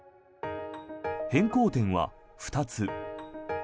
変更点は２つ。